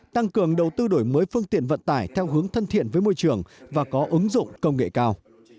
tăng cường đầu tư đổi mới phương tiện vận tải theo hướng thân thiện với môi trường và có ứng dụng công nghệ cao